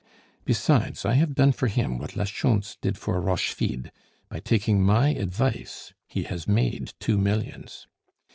Besides, I have done for him what la Schontz did for Rochefide; by taking my advice he has made two millions.